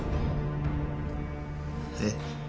えっ？